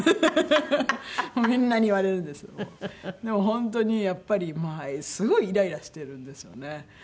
でも本当にやっぱりまあすごいイライラしてるんですよね。